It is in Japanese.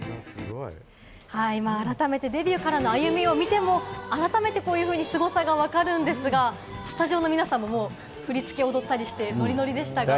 改めて、デビューからの歩みを見ても、改めて、こういうふうにすごさがわかるんですが、スタジオの皆さんも振り付け踊ったりしてノリノリでしたが。